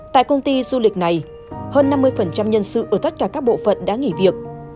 tại công ty du lịch này hơn năm mươi nhân sự ở tất cả các bộ phận đã nghỉ việc